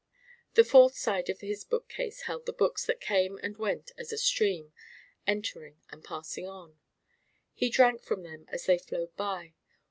The fourth side of his bookcase held the books that came and went as a stream, entering and passing on: he drank from them as they flowed by.